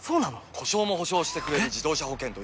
故障も補償してくれる自動車保険といえば？